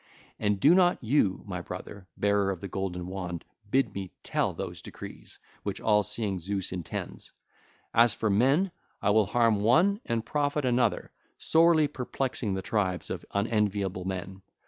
And do not you, my brother, bearer of the golden wand, bid me tell those decrees which all seeing Zeus intends. As for men, I will harm one and profit another, sorely perplexing the tribes of unenviable men.